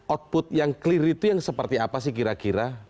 output yang clear itu yang seperti apa sih kira kira